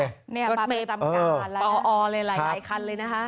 รถเมย์ป่อออเลยหลายคันเลยนะฮะ